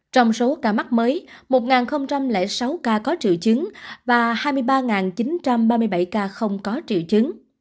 trong số ca mắc mới một sáu ca có triệu chứng và hai mươi ba chín trăm ba mươi bảy ca không có triệu chứng